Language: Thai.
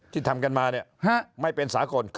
ที่ทำกันมาไม่เป็นสากล